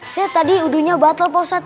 saya tadi udunya batal postat